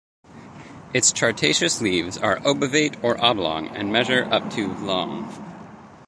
Its chartaceous leaves are obovate or oblong and measure up to long.